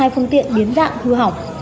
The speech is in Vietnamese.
hai phương tiện biến dạng hư hỏng